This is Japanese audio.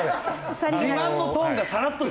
自慢のトーンがさらっとしてる。